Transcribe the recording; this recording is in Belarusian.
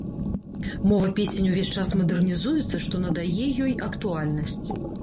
Мова песень увесь час мадэрнізуецца, што надае ёй актуальнасць.